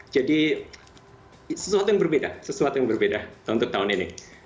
jadi sesuatu yang berbeda sesuatu yang berbeda untuk tahun ini